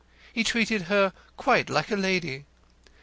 He treated her quite like a lady.